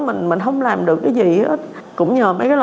mình không làm được cái gì hết